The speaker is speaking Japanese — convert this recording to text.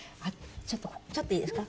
ちょっとちょっといいですか？